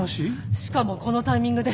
しかもこのタイミングで。